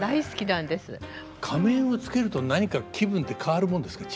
仮面をつけると何か気分て変わるもんですか？